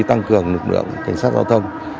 tăng cường lực lượng cảnh sát giao thông